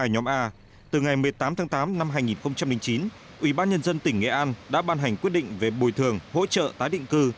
tám tháng tám năm hai nghìn chín ủy ban nhân dân tỉnh nghệ an đã ban hành quyết định về bồi thường hỗ trợ tái định cư